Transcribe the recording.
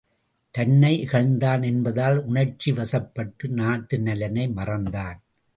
தன்னை இகழ்ந்தான் என்பதால் உணர்ச்சி வசப்பட்டு நாட்டு நலனை மறந்தான்.